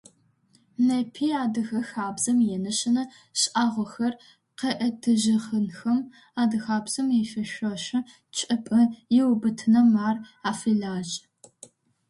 Непи адыгэ хабзэм инэшэнэ шӏагъохэр къэӏэтыжьыгъэнхэм, адыгабзэм ифэшъошэ чӏыпӏэ ыубытыным ар афэлажьэ.